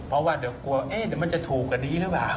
เพราะว่าเดี๋ยวกลัวเดี๋ยวมันจะถูกกว่านี้หรือเปล่า